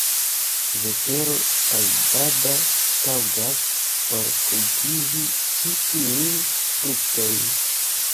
Vetero Tajbada taŭgas por kultivi ĉi tiujn fruktojn.